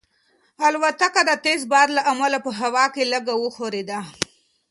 الوتکه د تېز باد له امله په هوا کې لږه وښورېده.